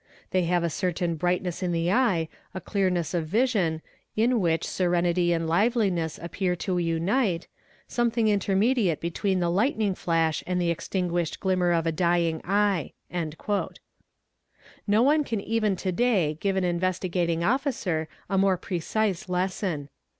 . They have a certain brightness in the eye, a clearness of vision, in which serenity and liveliness appear to unite, something intermediate between the lightning flash and the extinguished glimmer of a dying eye.'"' No one can even to day give an Inyestigat ing Officer a more precise lesson.